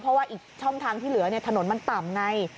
เพราะว่าอีกช่องทางที่เหลือถนนมันต่ำไง